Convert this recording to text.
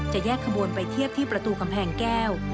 แยกขบวนไปเทียบที่ประตูกำแพงแก้ว